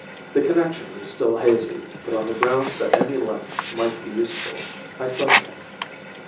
The connection was still hazy, but on the grounds that any link might be useful, I phoned him.